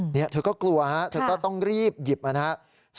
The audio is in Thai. นี่เธอก็กลัวฮะเธอก็ต้องรีบหยิบนะครับ